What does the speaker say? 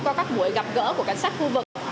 qua các buổi gặp gỡ của cảnh sát khu vực